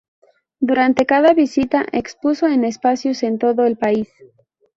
Durante cada visita expuso en espacios en todo el país.